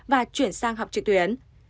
và chuyển sang học trực tuyến